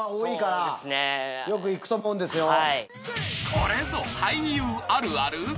［これぞ俳優あるある？］